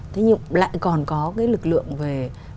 thế nhưng lại còn có cái lực lượng về